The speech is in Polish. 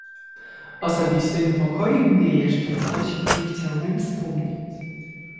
Osobiście niepokoi mnie jeszcze coś, o czym chciałbym wspomnieć